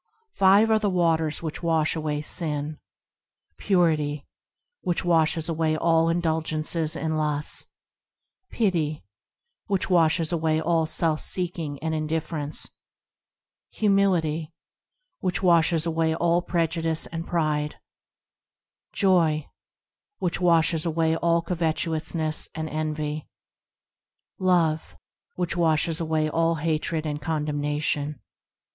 Five are the waters which wash away sin:– Purity, which washes away all indulgences and lusts; Pity, which washes away all self seeking and indifference; Humility, which washes away all prejudice and pride ; Joy, which washes away all covetousness and envy ; Love, which washes away all hatred and condemnation.